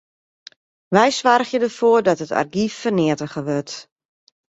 Wy soargje derfoar dat it argyf ferneatige wurdt.